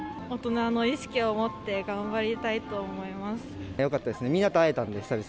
大人の意識を持って、頑張りたいよかったです。